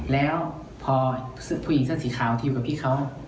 แล้วพอผู้หญิงเสื้อสีขาวทิวกับพี่เขา